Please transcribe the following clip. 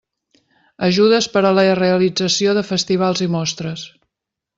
Ajudes per a la realització de festivals i mostres.